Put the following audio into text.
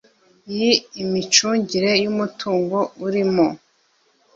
y imicungire y umutungo uri mo